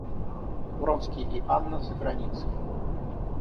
Вронский и Анна за границей.